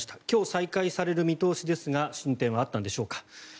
今日再開される見通しですが進展はあったんでしょうか。